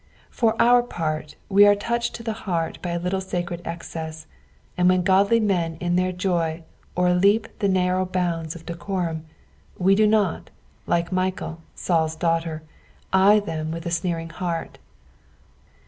For our part, we are touched to the heart by a little sacred excess, and when godly men in their joy o'erlenp the narrow bounds of decorum, we do not, like Michal, Saul's daughter, eye them with a aneering heart.